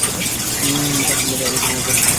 খাসা হবে না তাহলে?